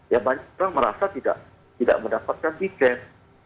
ya banyak orang merasa tidak mendapatkan tiket